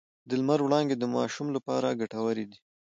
د لمر وړانګې د ماشوم لپاره ګټورې دي۔